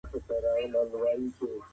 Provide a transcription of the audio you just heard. ورین له بزګرانو سره مرسته کوی.